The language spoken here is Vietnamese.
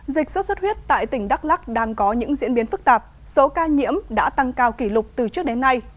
dịch sốt xuất huyết tại tỉnh đắk lắc đang có những diễn biến phức tạp số ca nhiễm đã tăng cao kỷ lục từ trước đến nay